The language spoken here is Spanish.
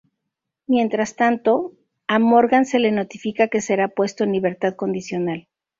Mientras tanto, a Morgan se le notifica que será puesto en libertad condicional.